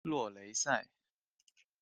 洛雷塞。